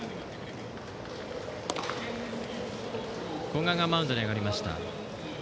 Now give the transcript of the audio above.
古賀がマウンドに上がりました。